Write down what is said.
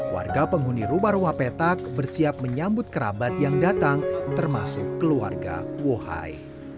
warga penghuni rumah rumah petak bersiap menyambut kerabat yang datang termasuk keluarga wohai